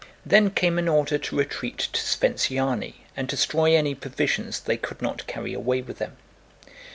Then came an order to retreat to Sventsyáni and destroy any provisions they could not carry away with them.